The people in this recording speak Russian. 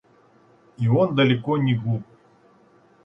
И он далеко не глуп.